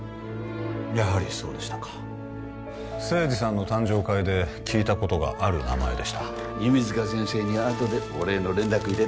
やはりそうでしたか清二さんの誕生会で聞いたことがある名前でした弓塚先生にあとでお礼の連絡入れとくから